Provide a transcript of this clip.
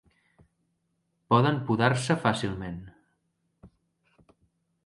Poden podar-se fàcilment.